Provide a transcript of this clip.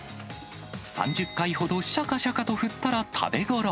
３０回ほどしゃかしゃかと振ったら食べごろ。